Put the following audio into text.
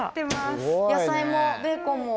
野菜もベーコンも。